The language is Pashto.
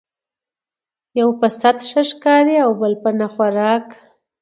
ـ يو په سعت ښه ښکاري بل په نه خوراک